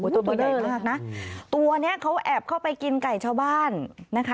ตัวใหญ่มากนะตัวนี้เขาแอบเข้าไปกินไก่ชาวบ้านนะคะ